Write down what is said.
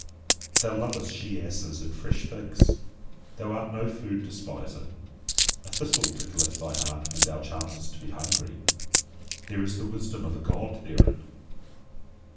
Thou lovest she asses and fresh figs, thou art no food despiser. A thistle tickleth thy heart when thou chancest to be hungry. There is the wisdom of a God therein.